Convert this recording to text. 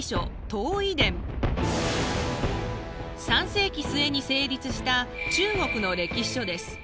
３世紀末に成立した中国の歴史書です。